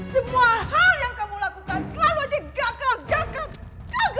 semua hal yang kamu lakukan selalu aja gagal gagal gagal terus terusan